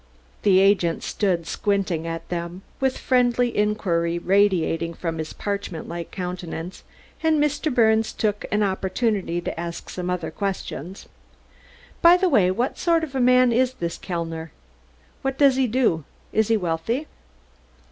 The agent stood squinting at them, with friendly inquiry radiating from his parchment like countenance, and Mr. Birnes took an opportunity to ask some other questions. "By the way, what sort of old man is this Mr. Kellner? What does he do? Is he wealthy?"